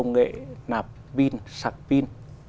đặc biệt là lạp pin sạc pin